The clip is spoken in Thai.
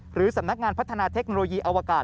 หรือสำนักงานพัฒนาเทคโนโลยีอวกาศ